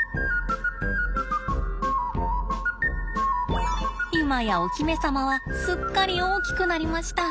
今やお姫様はすっかり大きくなりました。